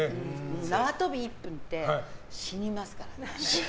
縄跳び１分って死にますからね。